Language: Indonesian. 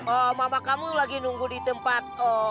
oh mama kamu lagi nunggu di tempat